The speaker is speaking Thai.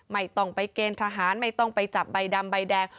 ไม่ต้องไปเกณฑ์ทหารไม่ต้องไปจับใบดำใบแดง